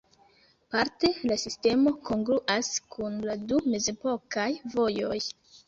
Parte la sistemo kongruas kun la du mezepokaj vojoj.